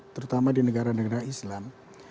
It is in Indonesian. terutama di negara negara islam